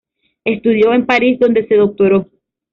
Estudió en París, donde se doctoró.